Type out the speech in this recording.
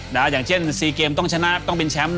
อย่างเช่น๔เกมต้องชนะต้องเป็นแชมป์